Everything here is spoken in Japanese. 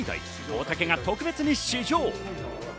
大竹が特別に試乗。